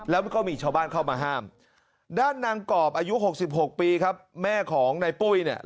แล้วก็มีชาวบ้านเข้ามาห้ามด้านนางกรอบอายุ๖๖ปีครับแม่ของในปุ้ยเนี่ย